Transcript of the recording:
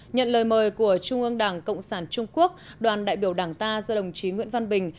nhận lời mời của trung ương đảng cộng sản trung quốc đoàn đại biểu đảng ta do đồng chí nguyễn văn bình